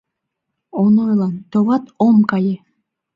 Онойлан, товат, ом кае!..